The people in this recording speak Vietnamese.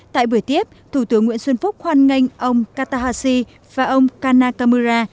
tại buổi tiếp thủ tướng nguyễn xuân phúc hoan nghênh ông katahashi và ông kanakamura